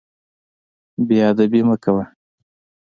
بې ادبي مه کوه.